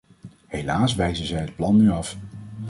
Helaas wijzen zij het plan nu af.